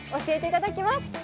教えていただきます。